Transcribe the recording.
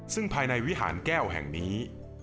ซึ่งภายในวิหารแก้วแห่งนี้